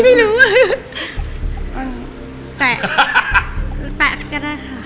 แปะก็ได้ค่ะ